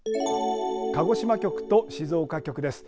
鹿児島局と静岡局です。